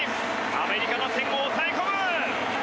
アメリカ打線を抑え込む！